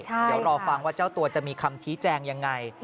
เดี๋ยวรอฟังว่าเจ้าตัวจะมีคำชี้แจงยังไง